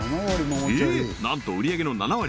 えっなんと売上げの７割